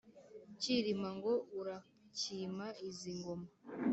Cyirima ngo urakima izi ngoma.